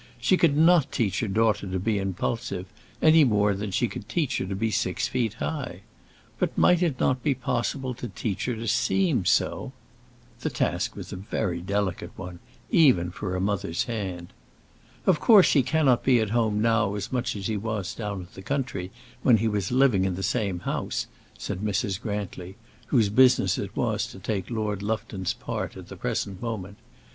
She could not teach her daughter to be impulsive, any more than she could teach her to be six feet high; but might it not be possible to teach her to seem so? The task was a very delicate one, even for a mother's hand. "Of course he cannot be at home now as much as he was down in the country, when he was living in the same house," said Mrs. Grantly, whose business it was to take Lord Lufton's part at the present moment.